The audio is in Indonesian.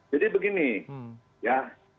jadi begini ya